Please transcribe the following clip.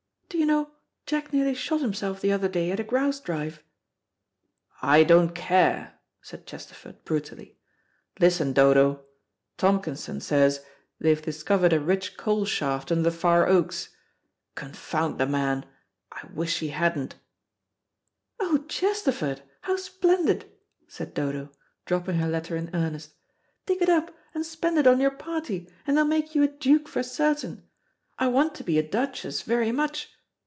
"Do you know, Jack nearly shot himself the other day at a grouse drive?" "I don't care," said Chesterford brutally. "Listen, Dodo. Tompkinson says they've discovered a rich coal shaft under the Far Oaks. Confound the man, I wish he hadn't." "Oh, Chesterford, how splendid!" said Dodo, dropping her letter in earnest. "Dig it up and spend it on your party, and they'll make you a duke for certain. I want to be a duchess very much.